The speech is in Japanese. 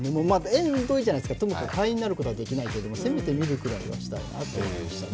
縁遠いじゃないですか、会員になることはできないけど、せめて見るくらいはしたいなと思いましたね。